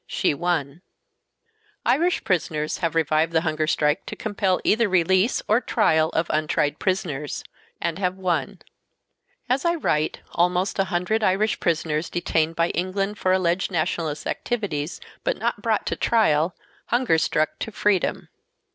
She won. Irish prisoners have revived the hunger strike to compel either release or trial of untried prisoners and have Lyon. As I write, almost a hundred Irish prisoners detained by England for alleged nationalist activities, but not brought to trial, hunger struck to freedom.